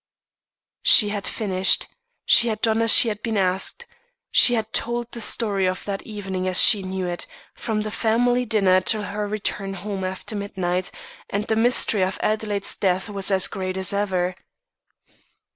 She had finished; she had done as she had been asked; she had told the story of that evening as she knew it, from the family dinner till her return home after midnight and the mystery of Adelaide's death was as great as ever.